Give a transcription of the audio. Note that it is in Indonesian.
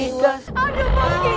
aduh aduh aduh